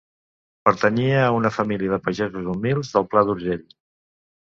Pertanyia a una família de pagesos humils del Pla d'Urgell.